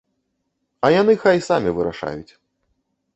А яны хай самі вырашаюць.